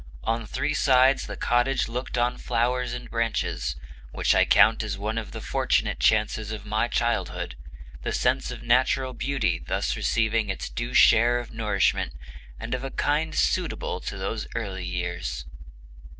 On three sides the cottage looked on flowers and branches, which I count as one of the fortunate chances of my childhood; the sense of natural beauty thus receiving its due share of nourishment, and of a kind suitable to those early years."